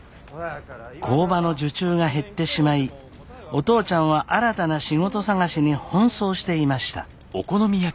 工場の受注が減ってしまいお父ちゃんは新たな仕事探しに奔走していました。